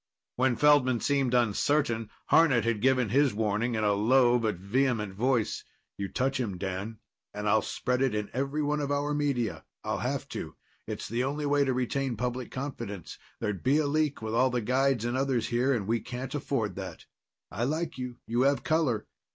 When Feldman seemed uncertain, Harnett had given his warning in a low but vehement voice. "You touch him, Dan, and I'll spread it in every one of our media. I'll have to. It's the only way to retain public confidence. There'd be a leak, with all the guides and others here, and we can't afford that. I like you you have color.